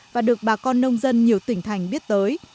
và được bà con nông dân nhiều tỉnh thành biết tới